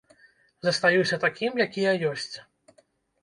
Застаюся такім, які я ёсць.